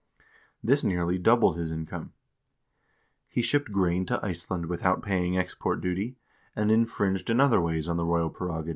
This nearly doubled his income. He shipped grain to Iceland without paying export duty, and infringed in other ways on the royal preroga 1 P.